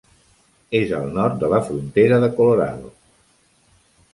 És al nord de la frontera de Colorado.